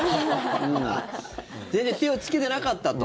全然手をつけてなかったと。